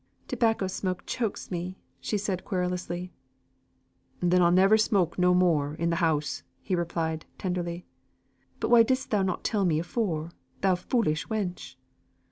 "Tobacco smoke chokes me!" said she, querulously. "Then I'll never smoke no more i' the house!" he replied, tenderly. "But why didst thou not tell me afore, thou foolish wench?"